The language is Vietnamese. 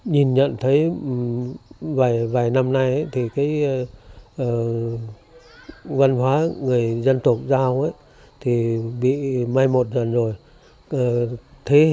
nhìn nhận thấy vài năm nay thì cái văn hóa người dân tộc giao thì bị may một dần rồi